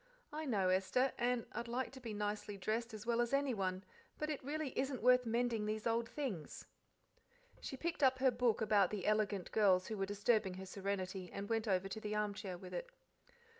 "I know, Esther, and I'd like to be nicely dressed as well as anyone, but it really isn't worth mending these old things." She picked up her book about the elegant girls who were disturbing her serenity and went over to the armchair with it.